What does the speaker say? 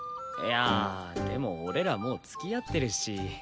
いやでも俺らもうつきあってるし。